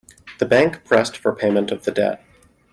The bank pressed for payment of the debt.